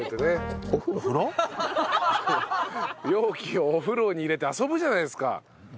容器をお風呂に入れて遊ぶじゃないですか！